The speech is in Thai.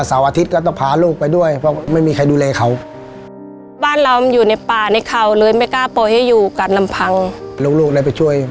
สาวอาทิตย์ก็ต้องพาลูกไปด้วย